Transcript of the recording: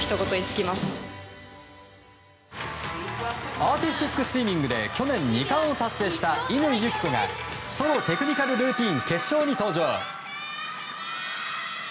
アーティスティックスイミングで去年２冠を達成した乾友紀子がソロテクニカルルーティン決勝に登場。